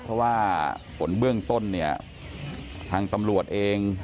เพราะว่าผลเบื้องต้นเนี่ยทางตำรวจเอง